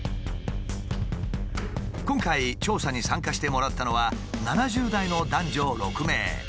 今回調査に参加してもらったのは７０代の男女６名。